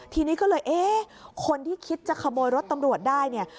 ทีนี้ก็เลยคนที่คิดจะขโมยรถตำรวจได้